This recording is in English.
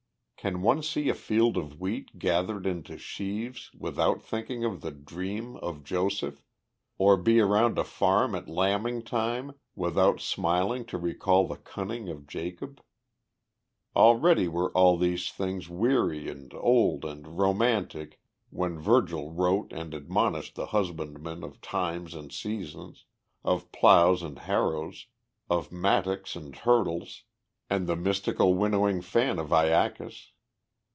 Can one see a field of wheat gathered into sheaves without thinking of the dream of Joseph, or be around a farm at lambing time without smiling to recall the cunning of Jacob? Already were all these things weary and old and romantic when Virgil wrote and admonished the husbandman of times and seasons, of plows and harrows, of mattocks and hurdles, and the mystical winnowing fan of Iacchus.